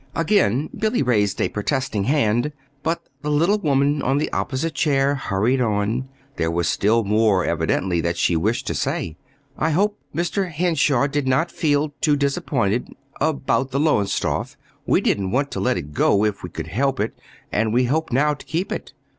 Again Billy raised a protesting hand; but the little woman in the opposite chair hurried on. There was still more, evidently, that she wished to say. "I hope Mr. Henshaw did not feel too disappointed about the Lowestoft. We didn't want to let it go if we could help it; and we hope now to keep it."